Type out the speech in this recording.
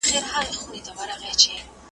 استاد وویل چې ورزش د اخلاقو برخه ده.